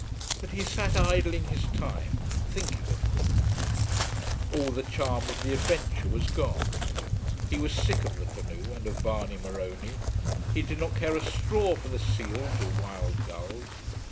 But he sat idling his time, thinking of things. All the charm of the adventure was gone. He was sick of the canoe and of Barney Morony. He did not care a straw for the seals or wild gulls.